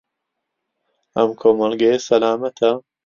ئەم کۆمەڵگەیە سەلامەتە؟